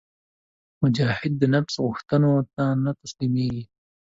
مجاهد د نفس غوښتنو ته نه تسلیمیږي.